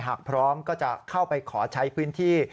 หากพร้อมก็จะเข้าไปขอใช้พื้นที่